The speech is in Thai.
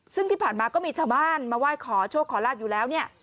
ซึ่งที่ผ่านมาก็มีชาวบ้านมาไหว้ขอโชคขอลาบอยู่แล้วเนี่ย